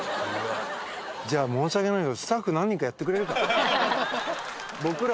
じゃあ申し訳ないけど。